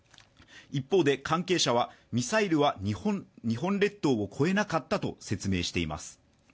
一方で、関係者は、ミサイルは日本列島を越えなかったと説明しています。